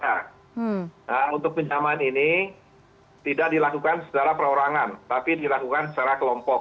nah untuk pinjaman ini tidak dilakukan secara perorangan tapi dilakukan secara kelompok